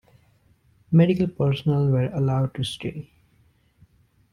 Medical personnel were allowed to stay.